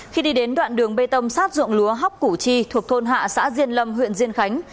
khi đi đến đoạn đường bê tông sát ruộng lúa hóc củ chi thuộc thôn hạ xã diên lâm huyện diên khánh